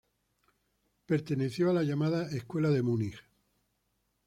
Perteneció a la llamada Escuela de Múnich.